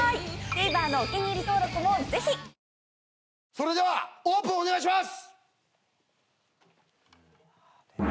それではオープンお願いします。